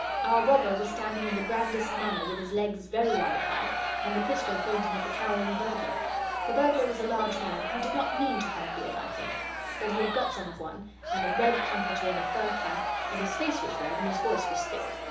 Our robber was standing in the grandest manner with his legs very wide apart, and the pistol pointing at the cowering burglar. The burglar was a large man who did not mean to have a beard, I think, but he had got some of one, and a red comforter, and a fur cap, and his face was red and his voice was thick.